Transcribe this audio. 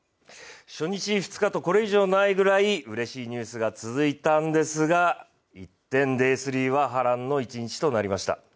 初日、２日目とこれ以上ないくらいいいニュースが続いたんですが一転、波乱の一日となりました。